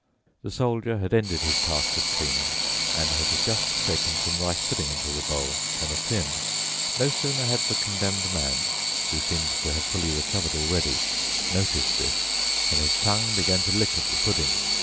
The Soldier had ended his task of cleaning and had just shaken some rice pudding into the bowl from a tin. No sooner had the Condemned Man, who seemed to have fully recovered already, noticed this than his tongue began to lick at the pudding.